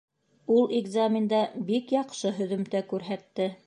Ул. экзаменда бик яҡшы һөҙөмтә күрһәтте